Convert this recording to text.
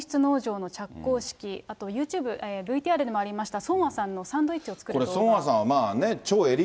あとは温室農場の着工式、あとユーチューブ、ＶＴＲにもありました、ソンアさんのサンドイッチを作る。